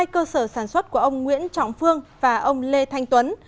hai cơ sở sản xuất của ông nguyễn trọng phương và ông lê thanh tuấn